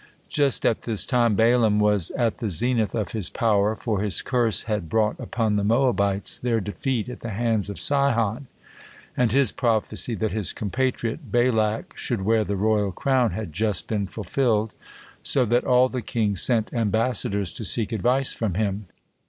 Just at this time Balaam was at the zenith of his power, for his curse had brought upon the Moabites their defeat at the hands of Sihon, and his prophecy that his compatriot Balak should wear the royal crown had just been fulfilled, so that all the kings sent ambassadors to seek advice from him.